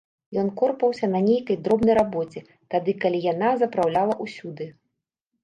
Ён корпаўся на нейкай дробнай рабоце, тады калі яна запраўляла ўсюды.